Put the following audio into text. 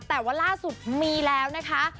แต่ว่าล่าสุดมีแล้วนะคะ